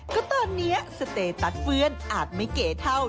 ก็ตอนนี้สเตตัสเฟื่อนอาจไม่เก๋เท่า